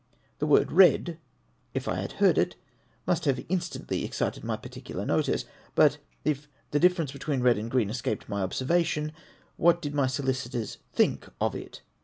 The word " RED," if I had heard it, must have instantly excited my particular notice. But " if the difference between red and green escaped my observation," what did my solicitors "think"* of it?